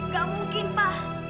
gak mungkin pak